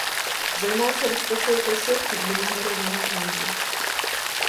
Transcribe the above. Займаўся распрацоўкай сеткі для міжнароднага гандлю.